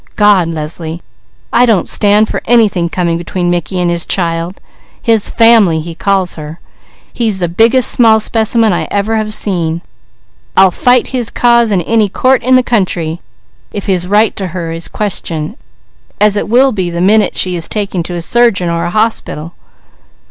God, Leslie! I don't stand for anything coming between Mickey and his child, his 'family' he calls her. He's the biggest small specimen I ever have seen. I'll fight his cause in any court in the country, if his right to her is questioned, as it will be the minute she is taken to a surgeon or a hospital."